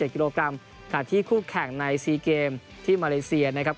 กิโลกรัมขณะที่คู่แข่งใน๔เกมที่มาเลเซียนะครับ